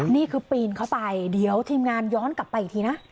นี่คือปีนเข้าไปเดี๋ยวทีมงานย้อนกลับไปอีกทีนะ